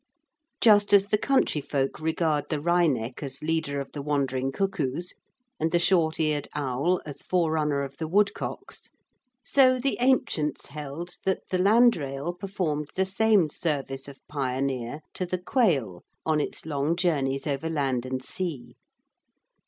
Just as the countryfolk regard the wryneck as leader of the wandering cuckoos, and the short eared owl as forerunner of the woodcocks, so the ancients held that the landrail performed the same service of pioneer to the quail on its long journeys over land and sea.